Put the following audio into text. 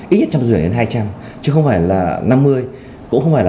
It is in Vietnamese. ít nhất một trăm năm mươi đến hai trăm linh chứ không phải là năm mươi cũng không phải là một trăm linh